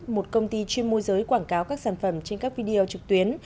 một công ty chuyên môi giới quảng cáo các sản phẩm trên các video trực tuyến